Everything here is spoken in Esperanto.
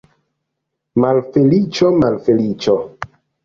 Malfeliĉo, malfeliĉo!